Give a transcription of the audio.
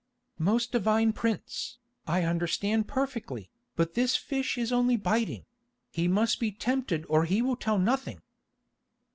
"Most divine prince, I understand perfectly, but this fish is only biting; he must be tempted or he will tell nothing."